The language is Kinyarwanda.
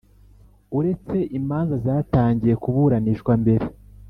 Uretse imanza zatangiye kuburanishwa mbere